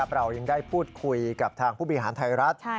เรายังได้พูดคุยกับทางผู้บริหารไทยรัฐ